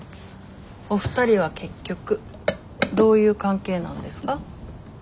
お二人は結局どういう関係なんですか？